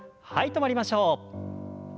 止まりましょう。